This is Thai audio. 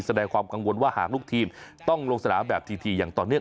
แสดงว่าหากลูกทีมต้องลงสนามแบบทีที่อย่างตอนนี้